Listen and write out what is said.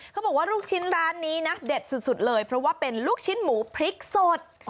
เขาบอกว่าลูกชิ้นร้านนี้นะเด็ดสุดเลยเพราะว่าเป็นลูกชิ้นหมูพริกสด